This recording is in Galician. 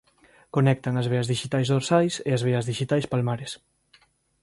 Conectan as veas dixitais dorsais e as veas dixitais palmares.